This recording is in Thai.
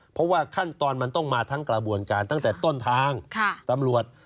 เพราะว่าขั้นตอนมันต้องมาทั้งกระบวนการตั้งแต่ต้นทางตำรวจ